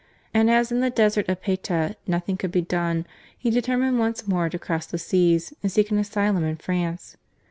And as in the desert of Payta nothing could be done, he determined once more to cross the seas and seek an asylum in France.